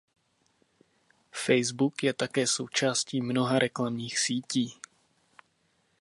Facebook je také součástí mnoha reklamních sítí.